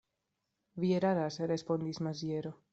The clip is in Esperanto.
Vi eraras, respondis Maziero.